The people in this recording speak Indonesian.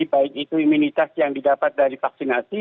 baik itu imunitas yang didapat dari vaksinasi